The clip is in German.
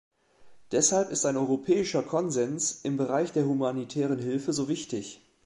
Deshalb ist ein europäischer Konsens im Bereich der humanitären Hilfe so wichtig.